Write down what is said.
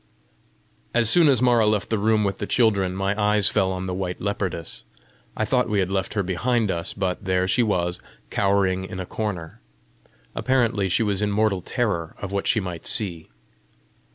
As soon as Mara left the room with the children, my eyes fell on the white leopardess: I thought we had left her behind us, but there she was, cowering in a corner. Apparently she was in mortal terror of what she might see.